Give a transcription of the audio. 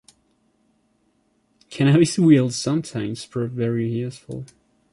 Cannabis will sometimes prove very useful.